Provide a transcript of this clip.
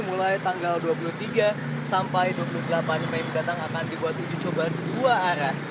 mulai tanggal dua puluh tiga sampai dua puluh delapan mei mendatang akan dibuat uji coba dua arah